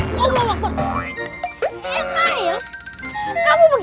masih jatuh bebeknya tuh